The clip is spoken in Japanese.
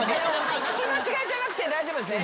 聞き間違いじゃなくて大丈夫ですね？